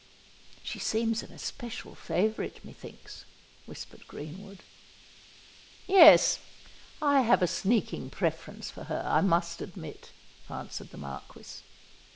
"She seems an especial favourite, methinks," whispered Greenwood. "Yes—I have a sneaking preference for her, I must admit," answered the Marquis.